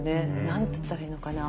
何つったらいいのかな